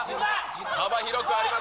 幅広くあります。